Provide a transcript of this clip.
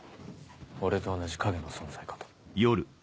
俺と同じ影の存在かと。